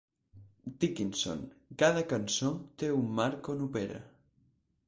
Dickinson: Cada cançó té un marc on opera.